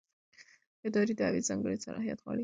اداري دعوې ځانګړی صلاحیت غواړي.